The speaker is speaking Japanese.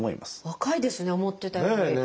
若いですね思ってたより。